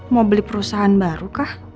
mau beli perusahaan baru kah